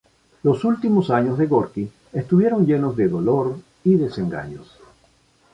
Los últimos años de Gorky estuvieron llenos de dolor y desengaños.